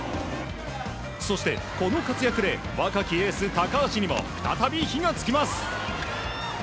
そして、この活躍で若きエース高橋にも再び火が付きます。